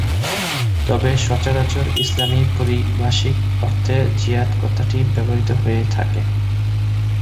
তবে সচরাচর ইসলামী পারিভাষিক অর্থে 'জিহাদ' কথাটি ব্যবহৃত হয়ে থাকে।